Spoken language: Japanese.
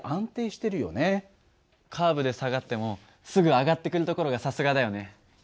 カーブで下がってもすぐ上がってくるところがさすがだよね。